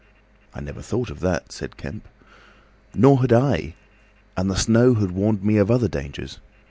"I never thought of that," said Kemp. "Nor had I. And the snow had warned me of other dangers.